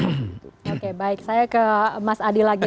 oke baik saya ke mas adi lagi